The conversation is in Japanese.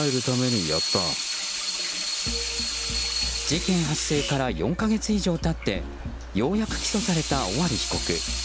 事件発生から４か月以上経ってようやく起訴された尾張被告。